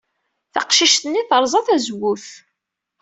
Taqcict-nni terẓa tazewwut.